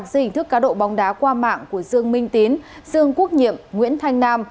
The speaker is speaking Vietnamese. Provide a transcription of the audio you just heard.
dưới hình thức cá độ bóng đá qua mạng của dương minh tín dương quốc nhiệm nguyễn thanh nam